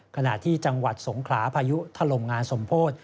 ขณะที่จังหวัดสงขลาพายุถล่มงานสมโพธิ